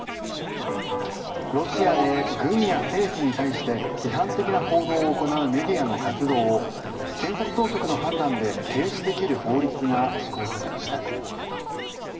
ロシアで軍や政府に対して批判的な報道を行うメディアの活動を検察当局の判断で停止できる法律が施行されました。